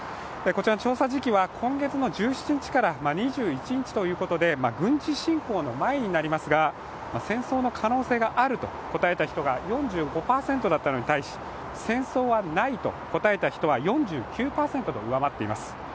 調査時期は今月の１７日から２１日ということで軍事侵攻の前になりますが、戦争の可能性があると答えた人が４５％だったのに対し、戦争はないと答えた人は４９％と上回っています。